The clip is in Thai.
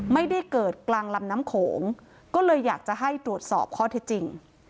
ไม่ได้เกิดกลางลำน้ำโขงก็เลยอยากจะให้ตรวจสอบข้อเท็จจริง